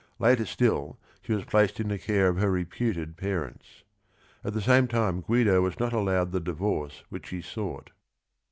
Later still she was placed in the care of her reputed parents. At the same time Guido was not allowed the divorce which he sought.